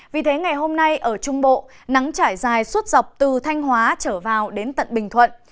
vì thế ngày hôm nay ở trung bộ nắng trải dài suốt dọc từ thanh hóa trở vào đến tận bình thuận